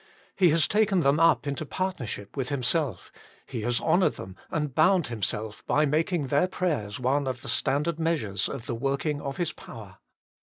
He has taken them up into partnership with Himself ; He has honoured them, and bound Himself, by making their prayers one of the standard measures of the working of His power.